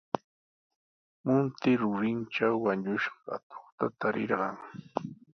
Munti rurintraw wañushqa atuqta tarirqan.